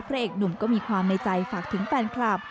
พระเอกหนุ่มก็มีความในใจฝากถึงแฟนคลับ